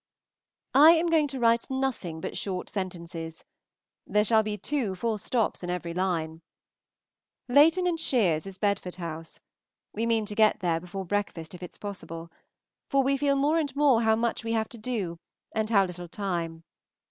I am going to write nothing but short sentences. There shall be two full stops in every line. Layton and Shear's is Bedford House. We mean to get there before breakfast if it's possible; for we feel more and more how much we have to do and how little time.